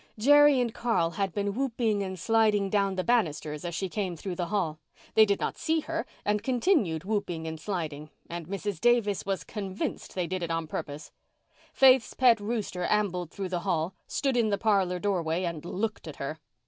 Jerry and Carl had been whooping and sliding down the banisters as she came through the hall. They did not see her and continued whooping and sliding, and Mrs. Davis was convinced they did it on purpose. Faith's pet rooster ambled through the hall, stood in the parlour doorway and looked at her.